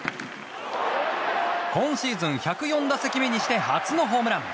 今シーズン１０４打席目にして初のホームラン。